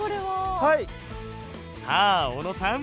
さあ小野さん